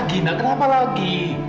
kamu kenapa lagi